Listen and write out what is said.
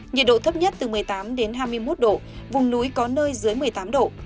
nhiệt độ thấp nhất từ một mươi tám đến hai mươi một độ vùng núi có nơi dưới một mươi tám độ